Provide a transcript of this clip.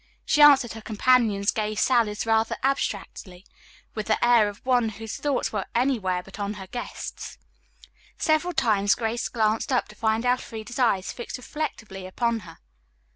She answered her companions' gay sallies rather abstractedly, with the air of one whose thoughts were anywhere but on her guests. Several times Grace glanced up to find Elfreda's eyes fixed reflectively upon her.